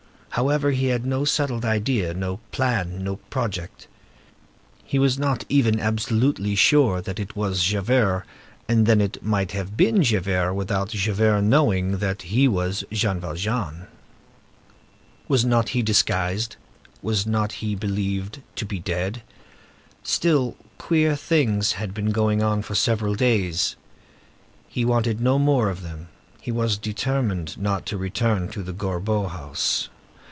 However, he had no settled idea, no plan, no project. He was not even absolutely sure that it was Javert, and then it might have been Javert, without Javert knowing that he was Jean Valjean. Was not he disguised? Was not he believed to be dead? Still, queer things had been going on for several days. He wanted no more of them. He was determined not to return to the Gorbeau house.